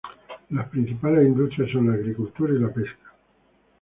Las principales industrias son la agricultura y la pesca.